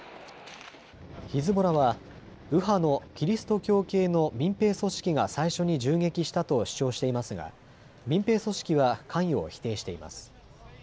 ヒズボラは右派のキリスト教系の民兵組織が最初に銃撃したと主張していますが民兵組織は関与を否定しています。